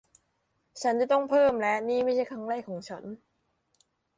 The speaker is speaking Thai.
ฉันจะต้องเพิ่ม และนี่ไม่ใช่ครั้งแรกของฉัน